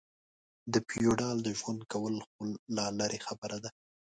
د فېوډال د ژوند کول خو لا لرې خبره ده.